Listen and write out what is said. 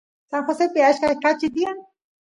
San Josepi achka kachi tiyan